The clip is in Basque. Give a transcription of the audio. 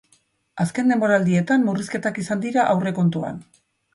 Azken denboraldietan, murrizketak izan dira aurrekontuan.